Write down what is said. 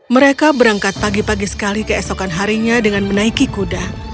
mereka berangkat pagi pagi sekali keesokan harinya dengan menaiki kuda